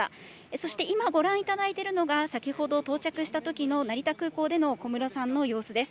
そして今ご覧いただいているのが、先ほど到着したときの成田空港での小室さんの様子です。